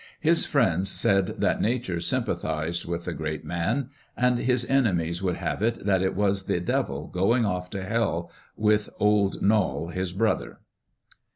His friends said that nature sympathised with the great man, and his enemies would have it that it was the devil going off to hell with "Old Noll," his brother.